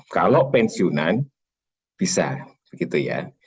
kalau pensiunan bisa